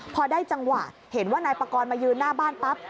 พอได้จังหวะเห็นว่านายปากรมายืนหน้าบ้านปั๊บ